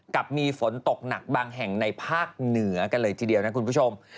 กับมีฝนตกหนักบางแห่งในภาคเหนือกันเลยทีเดียวนะคุณผู้ชม